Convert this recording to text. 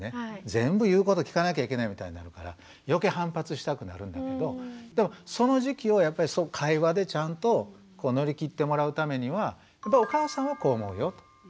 全部言うこと聞かなきゃいけないみたいになるから余計反発したくなるんだけどでもその時期をやっぱり会話でちゃんと乗り切ってもらうためにはお母さんはこう思うよと。